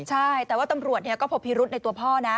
ใช่แต่ว่าตำรวจก็พบพิรุษในตัวพ่อนะ